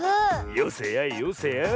よせやいよせやい。